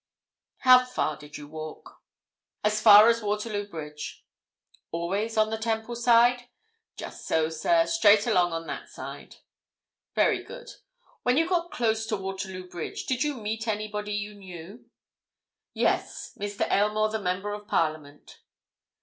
"How far did you walk?" "As far as Waterloo Bridge." "Always on the Temple side?" "Just so, sir—straight along on that side." "Very good. When you got close to Waterloo Bridge, did you meet anybody you knew?" "Yes." "Mr. Aylmore, the Member of Parliament."